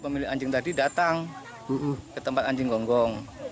pemilik anjing tadi datang ke tempat anjing gonggong